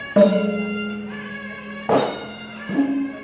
สวัสดีครับทุกคน